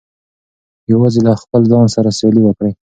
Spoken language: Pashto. یوازې له خپل ځان سره سیالي وکړئ.